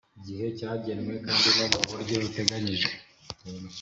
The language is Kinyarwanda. gihe cyagenwe kandi no mu buryo buteganyijwe